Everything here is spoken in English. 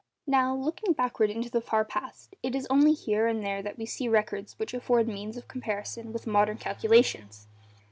Now, looking backward into the far past, it is only here and there that we see records which afford means of comparison with modern calculations.